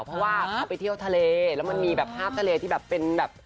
เพราะว่าเขาไปเที่ยวทะเลแล้วมันมีแบบภาพทะเลที่แบบเป็นแบบ